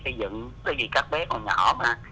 xây dựng bởi vì các bé còn nhỏ mà